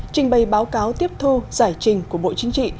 trình bày báo cáo tiếp thu giải trình của bộ chính trị